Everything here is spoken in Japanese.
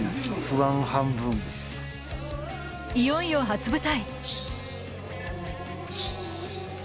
いよいよ初舞台